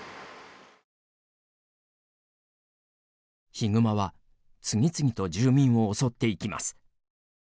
ヒグマは次々と住民を襲っていきます。